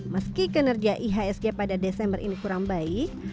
meski kinerja ihsg pada desember ini kurang baik